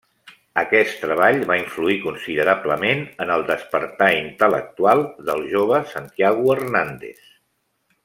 Aquest treball va influir considerablement en el despertar intel·lectual del jove Santiago Hernández.